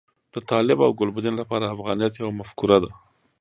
د طالب او ګلبدین لپاره افغانیت یوه مفکوره ده.